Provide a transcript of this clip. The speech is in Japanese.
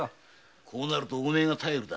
こうなるとお前が頼りだ。